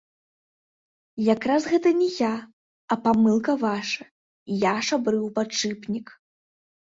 Якраз гэта не я, а памылка ваша, я шабрыў падшыпнік.